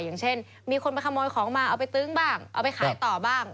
อย่างเช่นมีคนไปขโมยของมาเอาไปตึ้งบ้างเอาไปขายต่อบ้าง